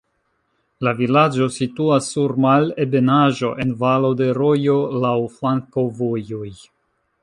La vilaĝo situas sur malebenaĵo, en valo de rojo, laŭ flankovojoj.